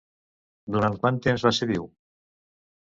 Durant quant temps va ser viu?